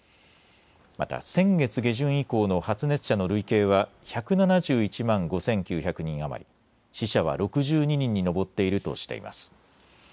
また先月下旬以降の発熱者の累計は１７１万５９００人余り死者は６２人に上っているとしています。